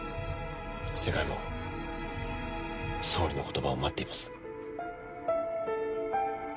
世界も総理の言葉を待っています